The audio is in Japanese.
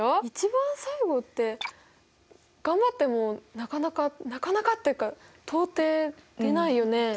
一番最後って頑張ってもなかなかなかなかっていうか到底出ないよね？